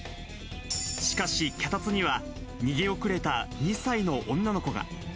しかし、脚立には逃げ遅れた２歳の女の子が。